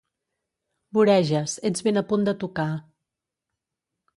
Voreges, ets ben a punt de tocar.